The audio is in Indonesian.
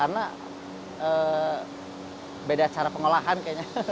karena beda cara pengolahan kayaknya